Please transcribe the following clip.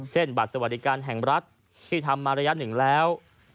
เช่นบัตรสวัสดิกันแห่งรัฐที่ทำมาระยะ๑แล้ว